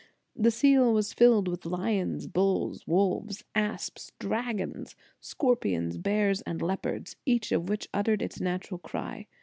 The cell was filled with lions, bulls, wolves, asps, dragons, scorpions, bears and leopards, each of which uttered its natural cry.